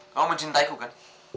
kau mencintaiku kan